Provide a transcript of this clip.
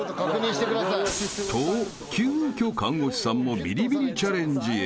［と急きょ看護師さんもビリビリチャレンジへ］